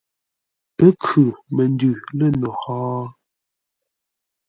Pə́ khʉ məndʉ lə̂ no hó?